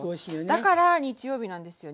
だから日曜日なんですよ。